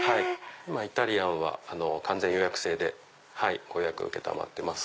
イタリアンは完全予約制でご予約承ってます。